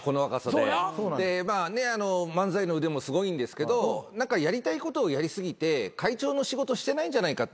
でまあ漫才の腕もすごいんですけど何かやりたいことをやり過ぎて会長の仕事してないんじゃないかって思うんですよね。